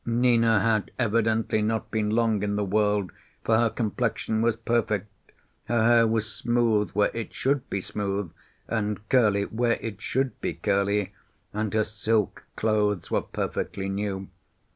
Nina had evidently not been long in the world, for her complexion was perfect, her hair was smooth where it should be smooth, and curly where it should be curly, and her silk clothes were perfectly new.